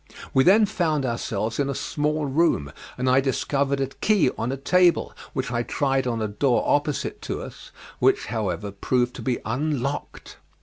We then found ourselves in a small room, and I discovered a key on a table, which I tried on a door opposite to us, which, however, proved to be unlocked.